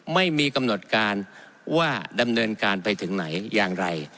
ไม่มีกำหนดการว่าดำเนินการไปถึงไหนอย่างไร